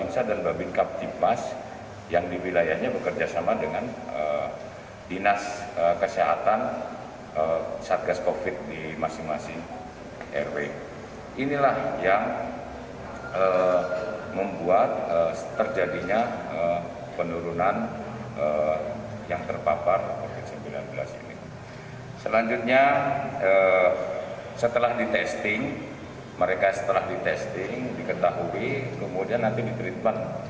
selanjutnya setelah di testing mereka setelah di testing diketahui kemudian nanti di treatment